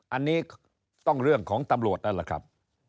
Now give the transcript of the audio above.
อันนี้ต้องเรื่องของตำรวจนั่นแหละครับ